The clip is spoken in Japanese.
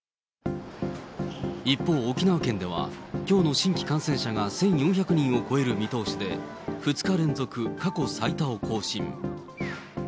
一方、沖縄県ではきょうの新規感染者が１４００人を超える見通しで、２日連続過去最多を更新。